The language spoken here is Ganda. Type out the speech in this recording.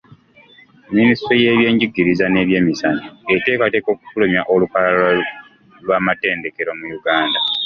Minisitule y'ebyenjigiriza n'ebyemizannyo eteekateeka okufulumya olukalala lw'amatendekero mu Uganda.